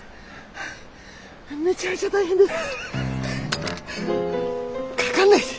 めちゃめちゃ大変です。